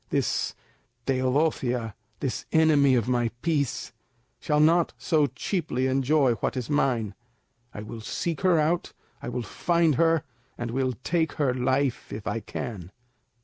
This Teodosia, this enemy of my peace, shall not so cheaply enjoy what is mine. I will seek her out, I will find her, and will take her life if I can."